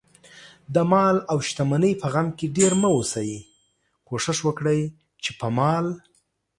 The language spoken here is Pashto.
دمال اوشتمنۍ په غم کې ډېر مه اوسئ، کوښښ وکړئ، چې په مال